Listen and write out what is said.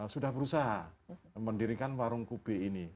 sudah berusaha mendirikan warung kube ini